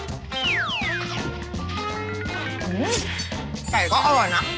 อื้อไก่ก็อร่อยน่ะ